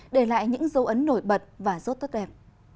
để lại những dấu ấn nổi bật và rốt tốt đẹp